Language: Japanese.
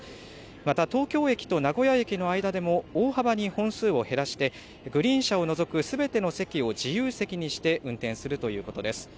また、東京駅と名古屋駅の間でも、大幅に本数を減らして、グリーン車を除くすべての席を自由席にして運転するということです。